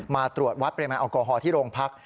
มาตรวจวัดปริมาณแอลกอฮอลที่โรงพัก